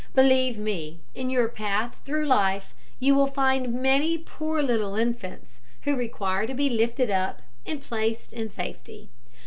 Believe me, in your path through life you will find many poor little infants who require to be lifted up and placed in safety.